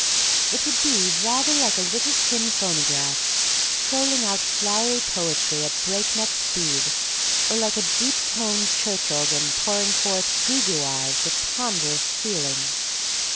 It would be rather like a little tin phonograph trolling out flowery poetry at breakneck speed, or like a deep toned church organ pouring forth "Goo Goo Eyes" with ponderous feeling.